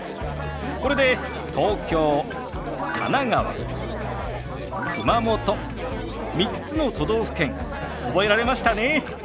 これで「東京」「神奈川」「熊本」３つの都道府県覚えられましたね。